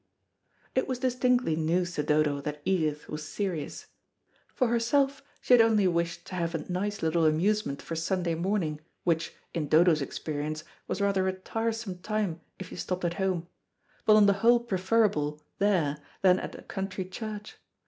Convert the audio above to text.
It was distinctly news to Dodo that Edith was serious. For herself she had only wished to have a nice little amusement for Sunday morning, which, in Dodo's experience, was rather a tiresome time if you stopped at home, but on the whole preferable there than at a country church.